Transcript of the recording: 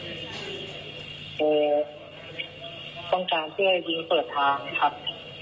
คือต้องการเพื่อยิงเปิดทางครับ